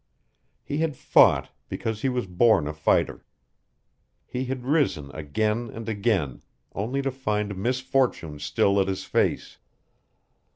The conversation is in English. He had fought, because he was born a fighter. He had risen again and again, only to find misfortune still at his face.